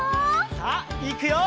さあいくよ！